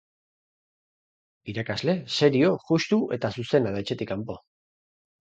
Irakasle serio, justu eta zuzena da etxetik kanpo.